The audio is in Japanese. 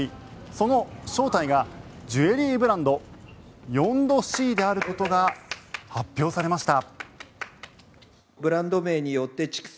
その正体がジュエリーブランド４℃であることが発表されました。